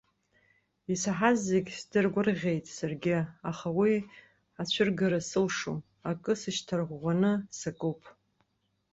Исаҳауаз зегьы сдыргәырӷьеит саргьы, аха уи ацәыргара сылшом, акы сышьҭарӷәӷәаны сакуп.